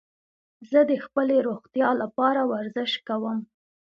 زه د خپلي روغتیا له پاره ورزش کوم.